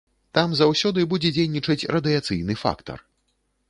Там заўсёды будзе дзейнічаць радыяцыйны фактар.